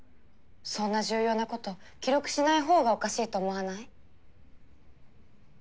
そんな重要なこと記録しない方がおかしいと思わない？